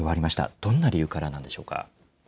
どんな理由からなんでしょうか。